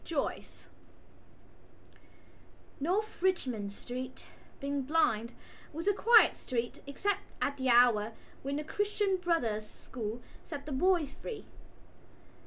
ARABY North Richmond Street, being blind, was a quiet street except at the hour when the Christian Brothers' School set the boys free.